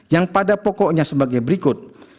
yang pada pokoknya sebagai berikut